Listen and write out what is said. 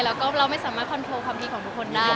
แล้วก็เราไม่สามารถคอนโทรความดีของทุกคนได้